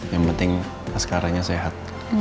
yang penting mas karanya sehat